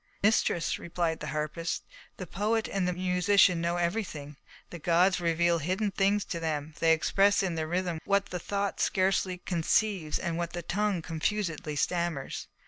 "Mistress," replied the harpist, "the poet and the musician know everything; the gods reveal hidden things to them; they express in their rhythm what the thought scarcely conceives and what the tongue confusedly stammers.